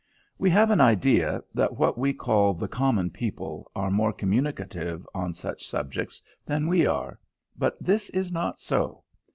We have an idea that what we call the "common people" are more communicative on such subjects than we are; but this is not so.